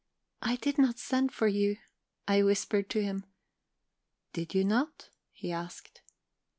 "'I did not send for you,' I whispered to him. "'Did you not?' he asked.